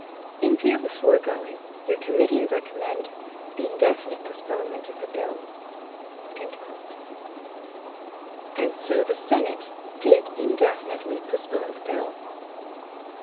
"In view of the foregoing, your committee recommend the indefinite postponement of the bill." And so the Senate did indefinitely postpone the bill.